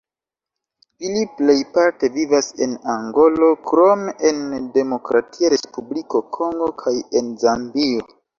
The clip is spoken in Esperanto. Ili plejparte vivas en Angolo, krome en la Demokratia Respubliko Kongo kaj en Zambio.